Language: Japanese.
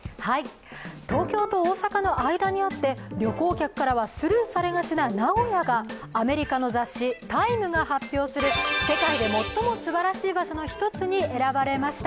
東京と大阪の間にあって旅行客からはスルーされがちな名古屋がアメリカの雑誌「タイム」が発表する、世界で最もすばらしい場所に評されました。